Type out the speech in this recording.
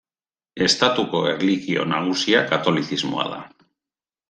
Estatuko erlijio nagusia katolizismoa da.